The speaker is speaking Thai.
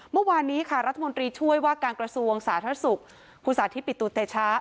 เมื่อวานนี้ค่ะรัฐมนตรีช่วยว่าการกระทรวงสาธารณสุขคุณสาธิตปิตุเตชะ